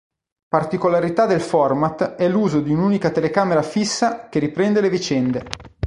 Particolarità del format è l'uso di un'unica telecamera fissa che riprende le vicende.